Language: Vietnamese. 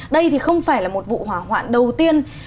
đây thì không phải là một vụ hỏa hoạn đầu tiên